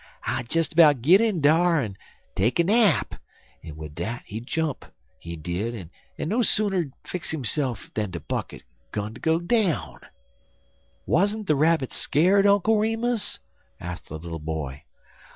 I'll des 'bout git in dar en take a nap,' en wid dat in he jump, he did, en he ain't no sooner fix hisse'f dan de bucket 'gun ter go down." "Wasn't the Rabbit scared, Uncle Remus?" asked the little boy.